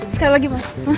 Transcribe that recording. sekali lagi mas